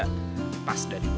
lepas dari gue